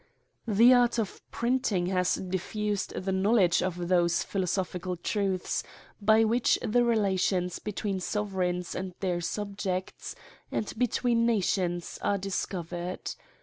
The art of printing has diffused the knowledge' of those philosophical truths, by which the rela tions between sovereigns and their subjects, and between nations are discovered.